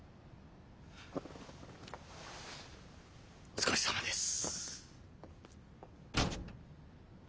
お疲れさまです。